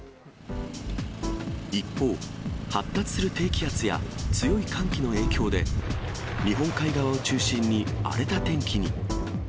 一方、発達する低気圧や強い寒気の影響で、日本海側を中心に荒れた天気に。